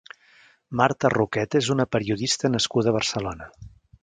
Marta Roqueta és una periodista nascuda a Barcelona.